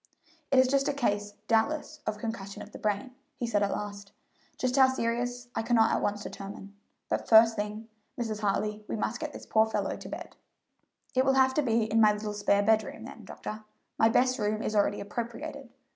"It is a case, doubtless, of concussion of the brain," he said at last; "just how serious I cannot at once determine, but, first thing, Mrs. Hartley, we must get this poor fellow to bed." "It will have to be in my little spare bedroom, then, doctor; my best room is already appropriated.